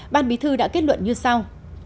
bí thư đã kết luận như sau